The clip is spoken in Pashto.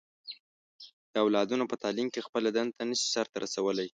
د اولادونو په تعليم کې خپله دنده نه شي سرته رسولی.